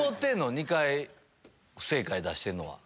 ２回不正解出してんのは。